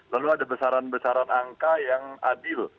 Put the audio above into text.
lalu ada besaran besaran angka yang adil